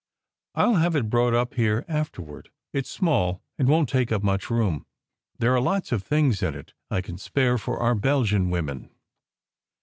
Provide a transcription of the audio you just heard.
I ll have it brought up here afterward. It s small and won t take up much room. There are lots of things in it I can spare for our Belgian women."